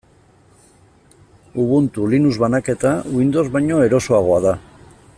Ubuntu, Linux banaketa, Windows baino erosoagoa da.